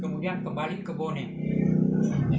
kemudian kembali ke boneh